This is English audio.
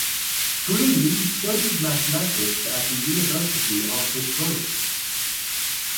Green studied mathematics at the University of Detroit.